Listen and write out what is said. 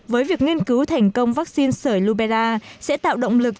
với việc nghiên cứu thành công vắc xin sởi lubera sẽ tạo động lực